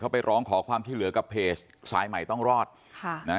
ไปร้องขอความช่วยเหลือกับเพจสายใหม่ต้องรอดค่ะนะฮะ